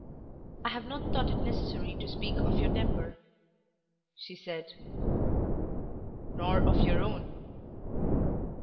"I have not thought it necessary to speak of your temper," she said. "Nor of your own."